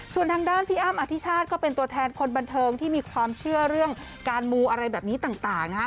ส่วนทางด้านพี่อ้ำอธิชาติก็เป็นตัวแทนคนบันเทิงที่มีความเชื่อเรื่องการมูอะไรแบบนี้ต่าง